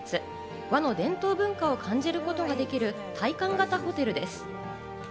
和の伝統文化を感じることができる体感型ホテルです。